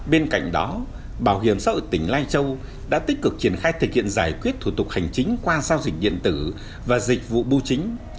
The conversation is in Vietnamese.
bên cạnh đó bảo hiểm xã hội tỉnh lai châu đã tích cực triển khai thực hiện giải quyết thủ tục hành chính qua giao dịch điện tử và dịch vụ bưu chính